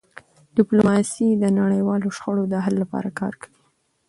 ډيپلوماسي د نړیوالو شخړو د حل لپاره کار کوي.